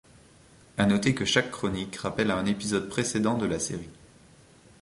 À noter que chaque chronique rappelle un épisode précédent de la série.